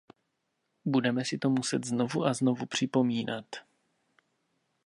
Budeme si to muset znovu a znovu připomínat.